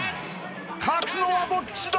［勝つのはどっちだ？］